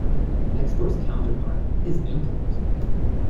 An export's counterpart is an import.